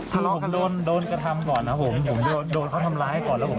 ก็เลยปล่อยให้บอกว่าเขาไม่ห่อจาก